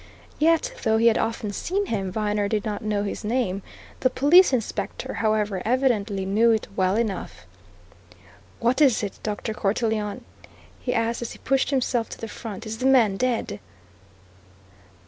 Yet though he had often seen him, Viner did not know his name; the police inspector, however, evidently knew it well enough. "What is it, Dr. Cortelyon?" he asked as he pushed himself to the front. "Is the man dead?"